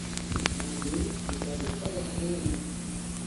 Marié, il est père de trois garçons et d'une fille.